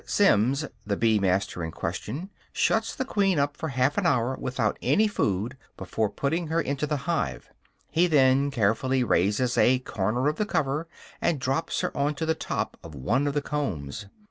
Simmins, the bee master in question, shuts the queen up for half an hour without any food before putting her into the hive. He then carefully raises a corner of the cover, and drops her on to the top of one of the combs.